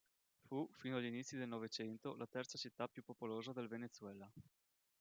Fu, fino agli inizi del novecento, la terza città più popolosa del Venezuela.